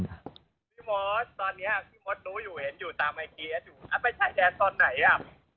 พี่มศตอนนี้พี่มศรู้อยู่เห็นอยู่ตามไอพีเอสให้ไปชัยแดนตอนไหนอะ